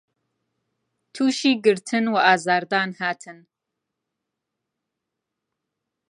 تووشی گرتن و ئازار دان هاتن